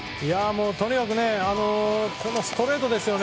とにかくこのストレートですよね。